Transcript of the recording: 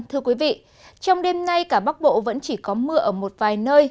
thưa quý vị trong đêm nay cả bắc bộ vẫn chỉ có mưa ở một vài nơi